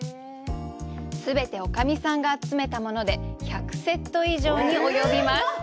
すべて、おかみさんが集めたもので１００セット以上に及びます。